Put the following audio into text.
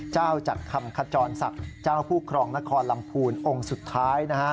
เจ้าจัดคำขจรสักเจ้าผู้ครองนครลำภูนิองค์สุดท้าย